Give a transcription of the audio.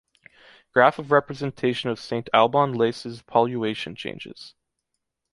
Graph of representation of Saint Alban Leysse’s poluation changes.